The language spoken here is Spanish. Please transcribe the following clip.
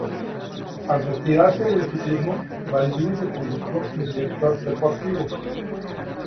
Al retirarse del ciclismo, Baldini se convirtió en director deportivo.